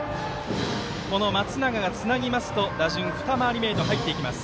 この松永がつなぎますと打順２回り目へと入っていきます。